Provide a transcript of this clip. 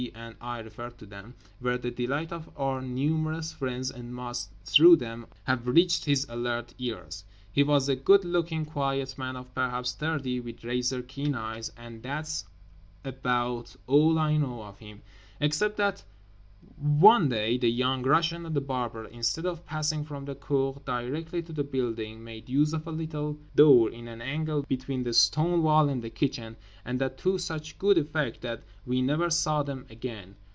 and I referred to them) were the delight of our numerous friends and must, through them, have reached his alert ears. He was a good looking quiet man of perhaps thirty, with razor keen eyes—and that's about all I know of him except that one day The Young Russian and The Barber, instead of passing from the cour directly to the building, made use of a little door in an angle between the stone wall and the kitchen; and that to such good effect that we never saw them again.